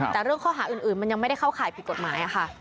แต่เรื่องข้อหาอื่นมันยังไม่ได้เข้าข่ายผิดกฎหมายค่ะ